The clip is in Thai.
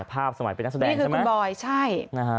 ภาพสมัยเป็นนักแสดงใช่ไหมนี่คือคุณบอยใช่